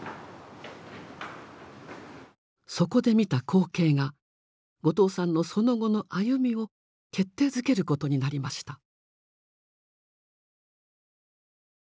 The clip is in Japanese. そこで見た光景が後藤さんのその後の歩みを決定づけることになりました。